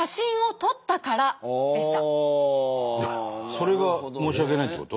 それが申し訳ないってこと？